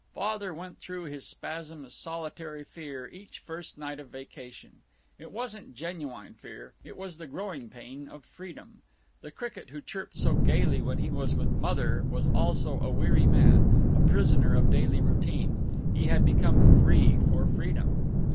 Father went through this spasm of solitary fear each first night of vacation. It wasn't genuine fear. It was the growing pain of freedom. The cricket who chirped so gaily when he was with Mother was also a weary man, a prisoner of daily routine. He had to become free for freedom.